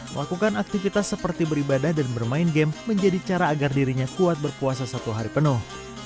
melakukan aktivitas seperti beribadah dan bermain game menjadi cara agar dirinya kuat berpuasa satu hari penuh